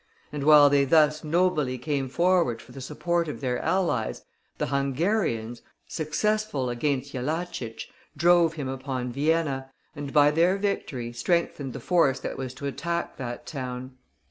And while they thus nobly came forward for the support of their allies, the Hungarians, successful against Jellachich, drove him upon Vienna, and by their victory strengthened the force that was to attack that town.